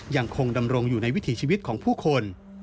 ยังคงดำรงอยู่ในวิถีชีวิตของผู้คน